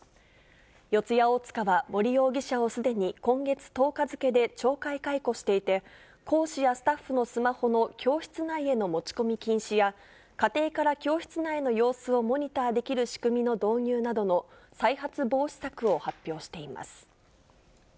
四谷大塚は、森容疑者をすでに今月１０日付で懲戒解雇していて、講師やスタッフのスマホの教室内への持ち込み禁止や、家庭から教室内の様子をモニターできる仕組みの導入などの再発防止策を発表しています。